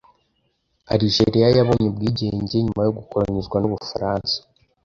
Aligeria yabonye ubwigenge nyuma yo gukolonizwa n’u Bufaransa